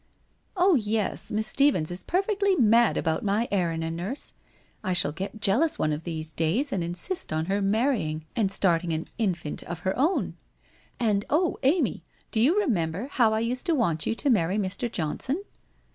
1 Oh, yes, Miss Stephens is perfectly mad about my Erinna, nurse. I shall gel jealous one of these days and insist on her marrying and starting an infant of her 324 WHITE ROSE OF WEARY LEAF own. And, oh, Amy, do you remember how I used to want you to marry Mr. Johnson